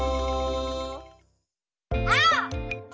あお！